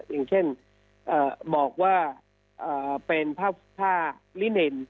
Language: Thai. อย่างเช่นเอ่อบอกว่าเอ่อเป็นผ้าผ้าลิเนน